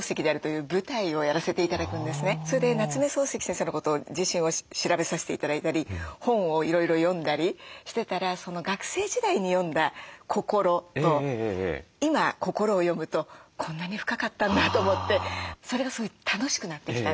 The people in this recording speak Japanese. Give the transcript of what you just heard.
それで夏目漱石先生のことを調べさせて頂いたり本をいろいろ読んだりしてたら学生時代に読んだ「こころ」と今「こころ」を読むとこんなに深かったんだと思ってそれがすごい楽しくなってきたんです。